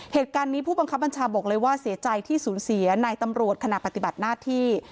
เหตุการณ์นี้ผู้บังคับบัญชาบอกเลยว่าเสียใจที่สูญเสียในตำรวจขณะปฏิบัติหน้าที่